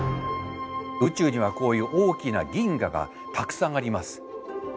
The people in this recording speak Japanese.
宇宙にはこういう大きな銀河がたくさんあります。